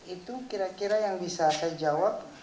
itu kira kira yang bisa saya jawab